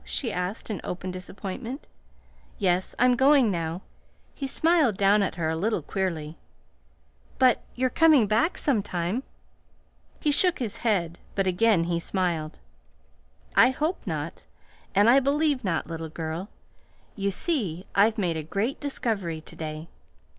she asked in open disappointment. "Yes, I'm going now." He smiled down at her a little queerly. "But you're coming back sometime?" He shook his head but again he smiled. "I hope not and I believe not, little girl. You see, I've made a great discovery to day.